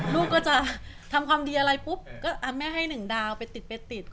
ลูกก็จะทำความดีอะไรก็อ่าแม่ก็ให้๑ดาวไปติดไปติด